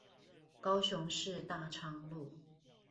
高雄市大昌路